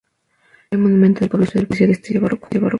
El principal monumento del pueblo es su iglesia, de estilo barroco.